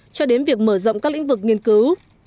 cho đến việc mở rộng các lĩnh vực nghiên cứu